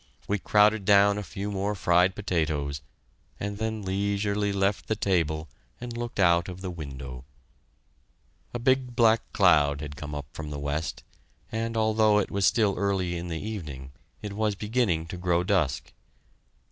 We crowded down a few more fried potatoes, and then leisurely left the table and looked out of the window. A big black cloud had come up from the west, and although it was still early in the evening it was beginning to grow dusk.